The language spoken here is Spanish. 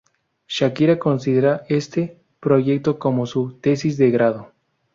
Shakira considera este proyecto como su ""tesis de grado"".